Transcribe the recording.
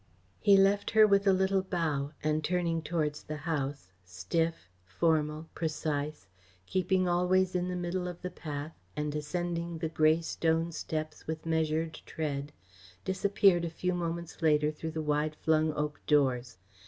He left her with a little bow, and turning towards the house, stiff, formal, precise, keeping always in the middle of the path and ascending the grey stone steps with measured tread, disappeared a few moments later through the wide flung oak doors.